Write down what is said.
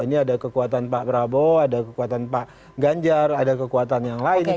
ini ada kekuatan pak prabowo ada kekuatan pak ganjar ada kekuatan yang lain